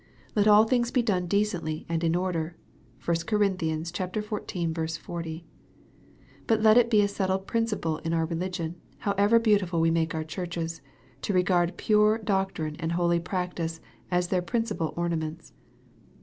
" Let all things be done decently and in order." (1 Cor. xiv. 40.) But let it be a settled principle in our religion, however beautiful we make our churches, to regard pure doctrine and holy practice as their principal ornaments.